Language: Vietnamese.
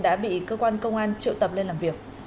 đã bị cơ quan công an triệu tập lên làm việc